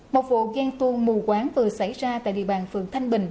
một vụ ghen tuôn mù quán vừa xảy ra tại địa bàn phường thanh bình